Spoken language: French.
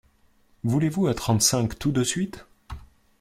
Voulez-vous à trente-cinq, tout de suite?